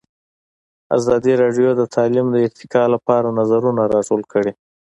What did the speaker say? ازادي راډیو د تعلیم د ارتقا لپاره نظرونه راټول کړي.